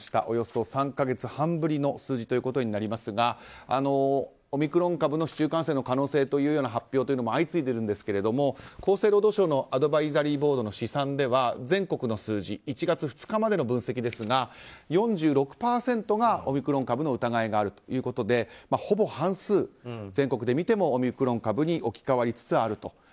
およそ３か月半ぶりの数字ということになりますがオミクロン株の市中感染の可能性という発表が相次いでいるんですが厚生労働省のアドバイザリーボードの試算では、全国の数字１月２日までの分析ですが４６％がオミクロン株の疑いがあるということでほぼ半数、全国で見てもオミクロン株に置き換わりつつあると。